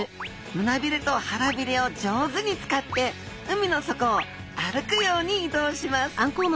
胸びれと腹びれを上手に使って海の底を歩くように移動します。